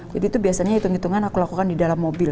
jadi itu biasanya hitung hitungan aku lakukan di dalam mobil